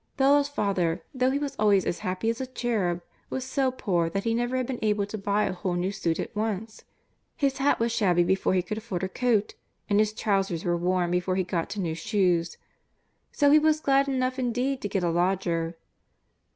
Bella's father, though he was always as happy as a cherub, was so poor that he never had been able to buy a whole new suit at once. His hat was shabby before he could afford a coat, and his trousers were worn before he got to new shoes. So he was glad enough indeed to get a lodger.